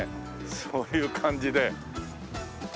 そういう感じでねえ。